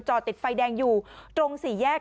ติดไฟแดงอยู่ตรงสี่แยก